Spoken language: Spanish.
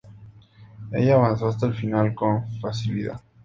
Ella avanzó hasta la final con facilidad.